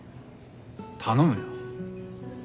頼むよ。